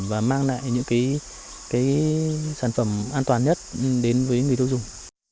và mang lại những cái sản phẩm an toàn nhất đến với người tiêu dùng